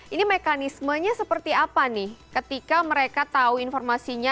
ini mekanismenya seperti apa nih ketika mereka tahu informasinya